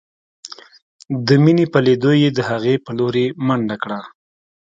د مينې په ليدو يې د هغې په لورې منډه کړه.